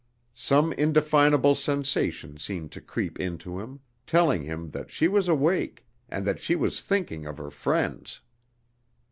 Some indefinable sensation seemed to creep into him, telling him that she was awake, and that she was thinking of her friends.